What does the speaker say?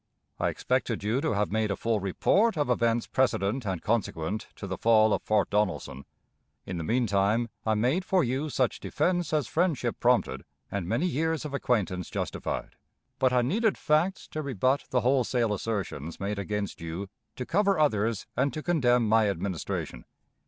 I expected you to have made a full report of events precedent and consequent to the fall of Fort Donelson. In the mean time, I made for you such defense as friendship prompted, and many years of acquaintance justified; but I needed facts to rebut the wholesale assertions made against you to cover others and to condemn my administration.